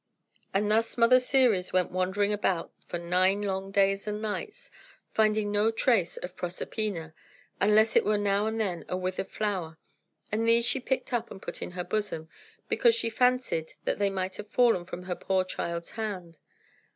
And thus Mother Ceres went wandering about for nine long days and nights, finding no trace of Proserpina, unless it were now and then a withered flower; and these she picked up and put in her bosom, because she fancied that they might have fallen from her poor child's hand.